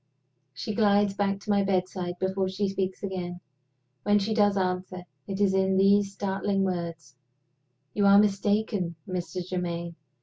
She glides back to my bedside before she speaks again. When she does answer, it is in these startling words: "You were mistaken, Mr. Germaine.